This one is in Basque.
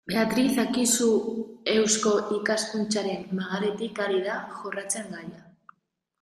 Beatriz Akizu Eusko Ikaskuntzaren magaletik ari da jorratzen gaia.